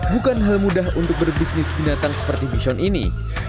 bukan hal mudah untuk berbisnis binatang seperti bison ini